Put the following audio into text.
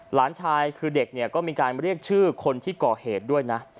หลานชายคือเด็กเนี่ยก็มีการเรียกชื่อคนที่ก่อเหตุด้วยนะ